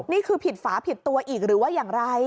นี่คือผิดฝาผิดตัวอีกหรือว่าอย่างไร